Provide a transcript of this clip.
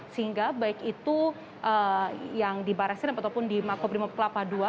sehingga baik itu yang di barreskrim ataupun di makobrimob kelapa ii